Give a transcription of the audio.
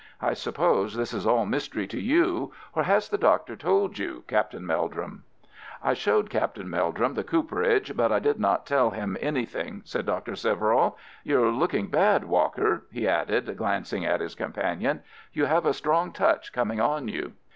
I suppose this is all mystery to you, or has the Doctor told you, Captain Meldrum?" "I showed Captain Meldrum the cooperage, but I did not tell him anything," said Dr. Severall. "You're looking bad, Walker," he added, glancing at his companion. "You have a strong touch coming on you."